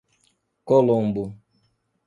Colombo